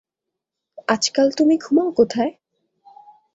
আজকাল তুমি ঘুমাও কোথায়?